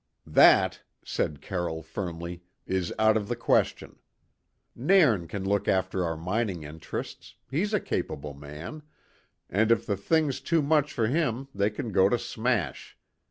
"That," said Carroll firmly, "is out of the question. Nairn can look after our mining interests he's a capable man and if the thing's too much for him they can go to smash.